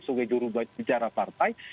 sebagai jurubuat bicara partai